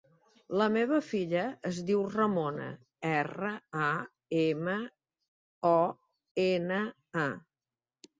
La meva filla es diu Ramona: erra, a, ema, o, ena, a.